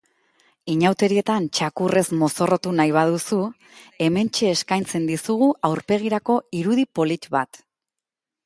Inauterietan txakurrez mozorrotu nahi baduzu, hementxe eskaintzen dizugu aurpegirako irudi polit bat.